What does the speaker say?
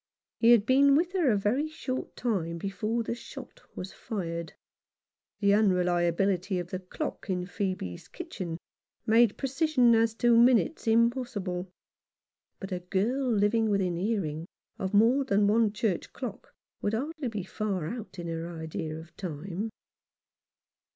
He had been with her a very short time before the shot was fired. The unreliability of the dock in Phoebe's kitchen made precision as to minutes impossible ; but a girl living within hearing of more than one church clock would hardly be far out in her idea of time.